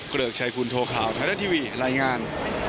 เกลือกชัยคุณโทรข่าวไทยแรกทีวีรายงาน